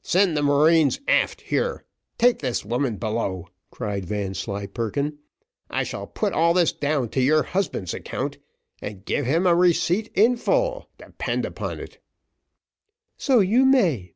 "Send the marines aft here. Take this woman below," cried Vanslyperken. "I shall put all this down to your husband's account, and give him a receipt in full, depend upon it." "So you may.